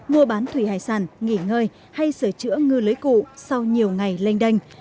mua bán thủy hải sản nghỉ ngơi hay sửa chữa ngư lưới cụ sau nhiều ngày lênh đành